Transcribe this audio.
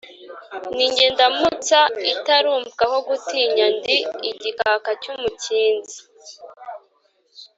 Nijye ndamutsa itarumvwaho gutinya, ndi igikaka cy'umukinzi